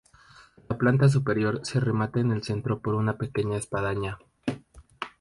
La planta superior se remata en el centro por una pequeña espadaña.